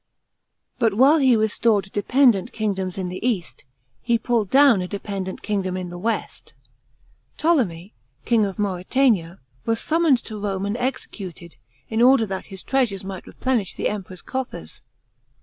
But while he restored dependent kingdoms in the east, he pulled down a de| e dent kingdom in the west. Ptolemy, king ol Manretan a, was summoned to Rome and executed, in order that his treasures might replenish the Emperor's coffers.